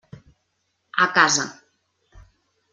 A casa.